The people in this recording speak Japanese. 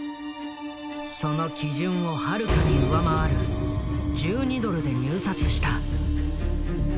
その基準をはるかに上回る１２ドルで入札した。